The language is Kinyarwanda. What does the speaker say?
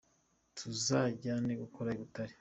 Tuzajyane gukora i Butare.